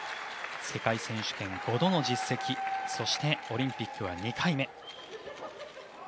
世界選手権５度の実績そしてオリンピックは２回目。